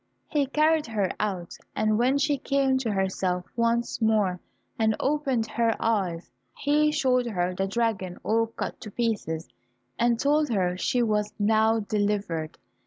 He carried her out, and when she came to herself once more, and opened her eyes, he showed her the dragon all cut to pieces, and told her that she was now delivered.